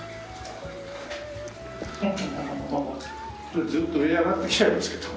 これずっと上に上がってきちゃいますけど。